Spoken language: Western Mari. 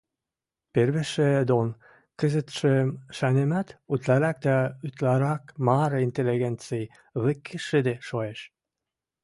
Первишӹ дон кӹзӹтшӹм шанемӓт, утларак дӓ утларак мары интеллигенци вӹкӹ шӹдӹ шоэш.